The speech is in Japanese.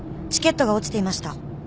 チケットが落ちていました」